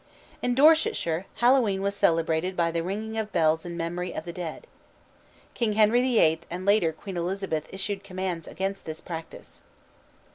_ In Dorsetshire Hallowe'en was celebrated by the ringing of bells in memory of the dead. King Henry VIII and later Queen Elizabeth issued commands against this practice.